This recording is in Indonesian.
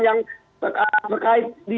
yang berkait di